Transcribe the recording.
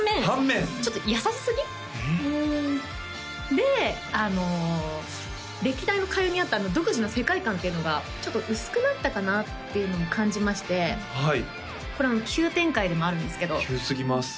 で歴代の開運にあった独自の世界観っていうのがちょっと薄くなったかなっていうのを感じましてはいこれ急展開でもあるんですけど急すぎます